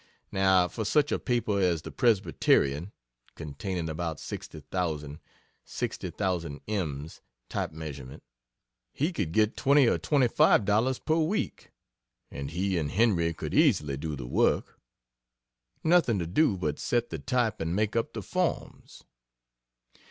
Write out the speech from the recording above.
Now, for such a paper as the "Presbyterian" (containing about 60,000, [Sixty thousand ems, type measurement.]) he could get $20 or $25 per week, and he and Henry could easily do the work; nothing to do but set the type and make up the forms....